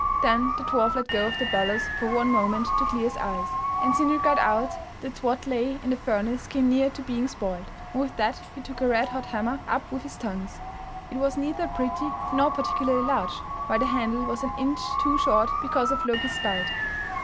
Then the dwarf let go of the bellows for one moment to clear his eyes, and Sindri cried out that what lay in the furnace came near to being spoiled, and with that he took a red hot hammer up with his tongs. It was neither pretty, nor particularly large, while the handle was an inch too short because of Loki's spite.